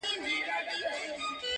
• چي هر څه یې وي زده کړي په کلونو -